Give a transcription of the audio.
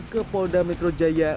ke polda metro jaya